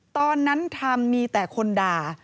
ตอนนั้นทำมีแต่คนด่า